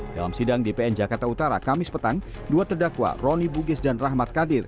dalam sidang dpn jakarta utara kamis petang dua terdakwa roni bugis dan rahmat kadir